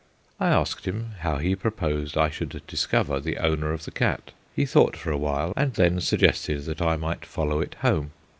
I asked him how he proposed I should discover the owner of the cat. He thought for a while, and then suggested that I might follow it home.